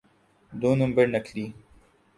دو number نکلی۔